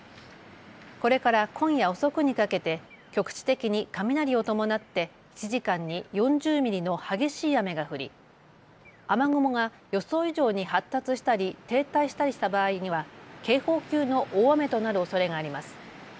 これから今夜遅くにかけて局地的に雷を伴って１時間に４０ミリの激しい雨が降り雨雲が予想以上に発達したり停滞したりした場合には警報級の大雨となるおそれがあります。